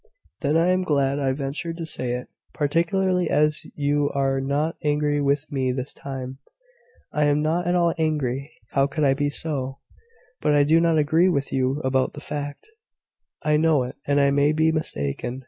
"Then I am glad I ventured to say it, particularly as you are not angry with me this time." "I am not at all angry: how could I be so? But I do not agree with you about the fact." "I know it, and I may be mistaken."